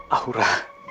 aura itu ma